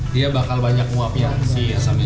dia bakal banyak muap ya si asamnya